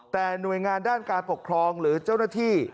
แต่หน่วยงานด้านการปกครองหรือเจ้าหน้าที่